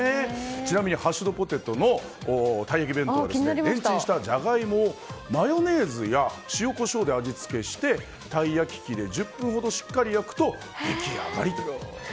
ちなみに、ハッシュドポテトのたい焼き弁当はレンチンしたジャガイモをマヨネーズや塩、コショウで味付けしてたい焼き器で１０分ほどしっかり焼くと出来上がりと。